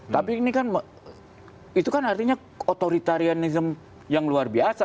tapi ini kan itu kan artinya otoritarianism yang luar biasa